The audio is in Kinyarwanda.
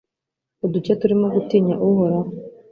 Uduke turimo gutinya Uhoraho